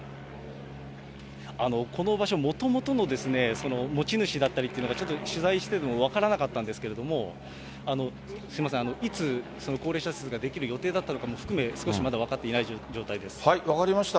この場所、もともとの持ち主だったりっていうのが、ちょっと取材してても分からなかったんですけれども、すみません、いつ、高齢者施設が出来る予定だったのかも含め、少しまだ、分かりました。